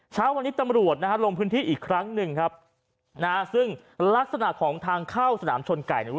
เช้าวันนี้ตำรวจนะฮะลงพื้นที่อีกครั้งหนึ่งครับนะฮะซึ่งลักษณะของทางเข้าสนามชนไก่เนี่ย